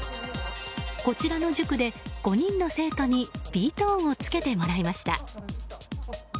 こちらの塾で５人の生徒にｂ‐ｔｏｎｅを着けてもらいました。